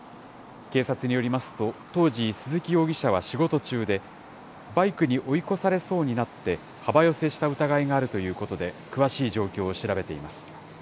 警察によりますと、当時、鈴木容疑者は仕事中で、バイクに追い越されそうになって、幅寄せした疑いがあるということで、詳しい状況を調べています。